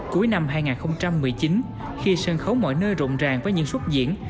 cuối năm hai nghìn một mươi chín khi sân khấu mọi nơi rộn ràng với những xuất diễn